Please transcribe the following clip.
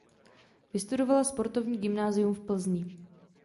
Vystudovala Sportovní gymnázium v Plzni.